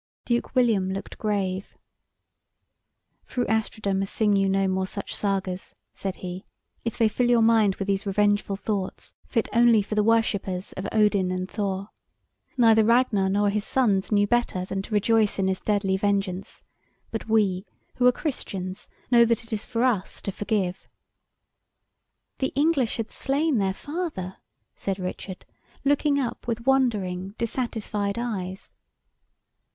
Duke William looked grave. "Fru Astrida must sing you no more such Sagas," said he, "if they fill your mind with these revengeful thoughts, fit only for the worshippers of Odin and Thor. Neither Ragnar nor his sons knew better than to rejoice in this deadly vengeance, but we, who are Christians, know that it is for us to forgive." "The English had slain their father!" said Richard, looking up with wondering dissatisfied eyes.